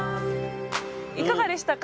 いかがでしたか？